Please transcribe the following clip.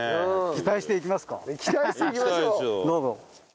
期待していきましょう。